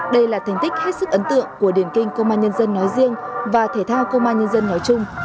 đây là thành tích hết sức ấn tượng của điển kinh công an nhân dân nói riêng và thể thao công an nhân dân nói chung